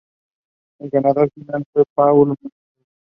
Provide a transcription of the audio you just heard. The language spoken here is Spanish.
El ganador final fue Paul Martens.